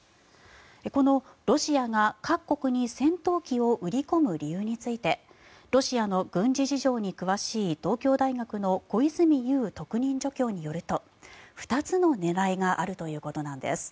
このロシアが各国に戦闘機を売り込む理由についてロシアの軍事事情に詳しい東京大学の小泉悠特任助教によると２つの狙いがあるということなんです。